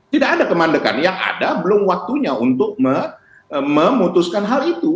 tidak ada kemandekan yang ada belum waktunya untuk memutuskan hal itu